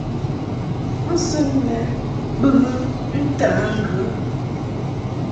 Mɨsɨŋ lɛ bɨŋɨ ntǎ ŋgə.